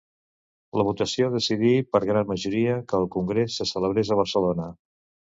La votació decidí per gran majoria que el congrés se celebrés a Barcelona.